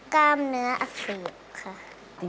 กล้ามเนื้อขึบค่ะ